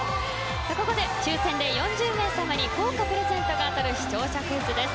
ここで抽選で４０名様に豪華プレゼントが当たる視聴者クイズです。